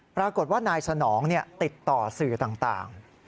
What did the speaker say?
ปรากฏว่านายสนองติดต่อสื่อต่าง